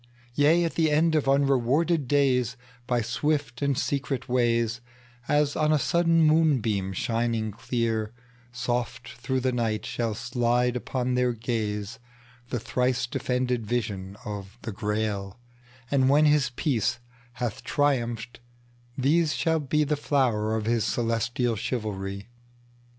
Yea! at the end of unrewarded days, By swift and secret waysAs on a sudden moonbeam shining clear, Soft through the night shall slide upon their gazeThe thrice defended vision of the Grail:And when his peace hath triumphed, these shall beThe flower of his celestial chivalry.